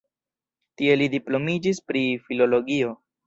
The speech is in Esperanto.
Tie li diplomiĝis pri filologio.